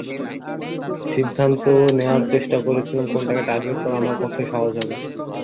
সিদ্ধন্ত নেওয়ার চেষ্টা করছিলাম কোনটাকে টার্গেট করা আমার পক্ষে সহজ হবে।